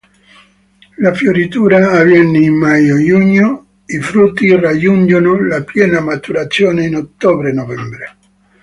La fioritura avviene in maggio-giugno; i frutti raggiungono la piena maturazione in ottobre-novembre.